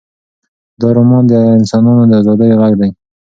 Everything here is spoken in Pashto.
دا رومان د انسانانو د ازادۍ غږ دی.